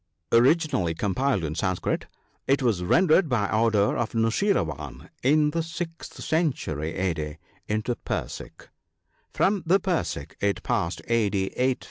Originally compiled in Sanskrit, it was rendered, by order of Nushiravdn, in the sixth century a.d. into Persic. From the Persic it passed, a.